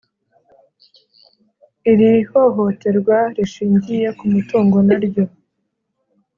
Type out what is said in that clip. iIri hohoterwa rishingiye ku mutungo na ryo